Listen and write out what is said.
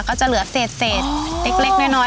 ก็จะเหลือเศษเล็กน้อย